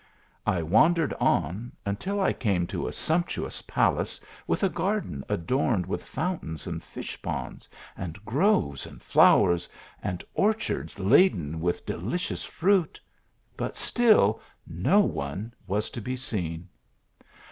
I wandered on until I came to a sumptuous palace, with a garden adorned with fountains and fish ponds ; and groves and flowers ; and orchards laden with delicious fruit ; but still no one was to be seen.